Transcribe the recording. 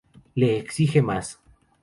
Le exige más.